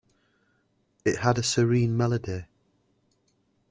It had a serene melody.